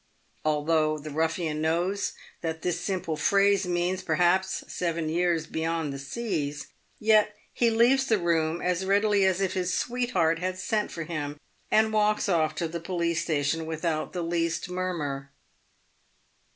Although the ruffian knows that this simple phrase means, perhaps, seven years "beyond the seas," yet he leaves the room as readily as if his sweetheart had sent for him, and walks off to the police station with out the least murmur.